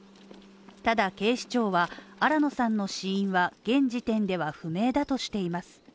ただ、警視庁は新野さんの死因は現時点では不明だとしています。